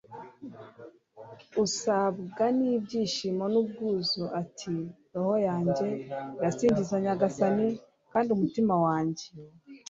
usabwa n'ibyishimo n'ubwuzu ati roho yanjye irasingiza nyagasani, kandi umutima wanjye